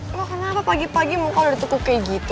eh lo kenapa pagi pagi muka lo udah tutup kayak gitu